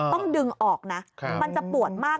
ต้องดึงออกนะมันจะปวดมาก